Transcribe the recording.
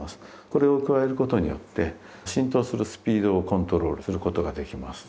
これを加えることによって浸透するスピードをコントロールすることができます。